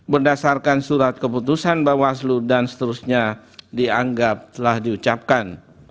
berdasarkan surat keputusan bawaslu dan seterusnya dianggap telah diucapkan